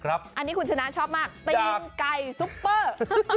อันนี้คุณชนะชอบมากตีนไก่ซุปเปอร์